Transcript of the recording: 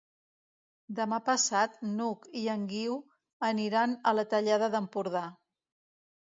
Demà passat n'Hug i en Guiu aniran a la Tallada d'Empordà.